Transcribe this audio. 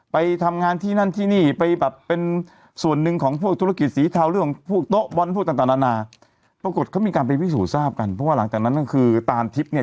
เพราะว่าหลังจากนั้นก็คือตานทิพย์เนี่ย